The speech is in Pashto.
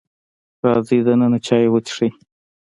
راځئ دننه چای وسکئ.